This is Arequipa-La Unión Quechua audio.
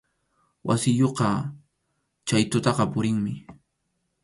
Wasiyuqqa chay tutaqa purinmi.